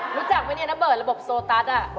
ไม่ใช่เจ๊จะเอาระบบโซตัส